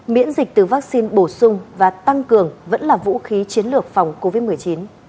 miễn dịch từ vaccine bổ sung và tăng cường vẫn là vũ khí chiến lược phòng covid một mươi chín